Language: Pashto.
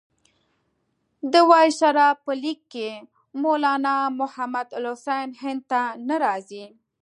د وایسرا په لیک کې مولنا محمودالحسن هند ته نه راځي.